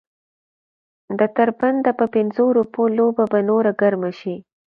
د تر بنده په پنځو روپو لوبه به نوره ګرمه شي.